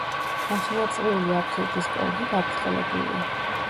ნახევარწრიული აფსიდის კონქი გაბრტყელებულია.